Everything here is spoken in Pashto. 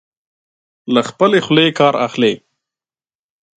له خپلې خولې کار اخلي.